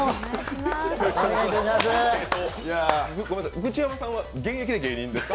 グチヤマさんは現役で芸人ですか？